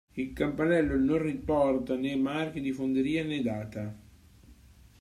Il campanello non riporta né marchio di fonderia né data.